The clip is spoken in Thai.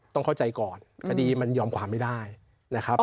ต้องเข้าใจก่อนคดีมันยอมความไม่ได้นะครับ